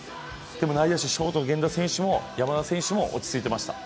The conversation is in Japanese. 内野手、ショートの源田選手も山本選手も落ち着いてました。